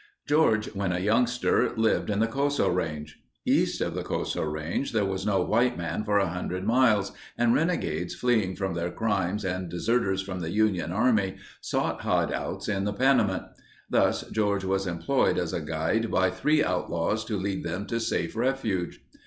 George, when a youngster lived in the Coso Range. East of the Coso there was no white man for 100 miles and renegades fleeing from their crimes and deserters from the Union army sought hideouts in the Panamint. Thus George was employed as a guide by three outlaws to lead them to safe refuge.